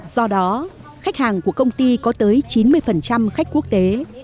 do đó khách hàng của công ty có tới chín mươi khách quốc tế